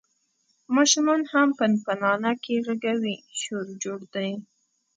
ماشومان هم پنپنانکي غږوي، شور جوړ دی.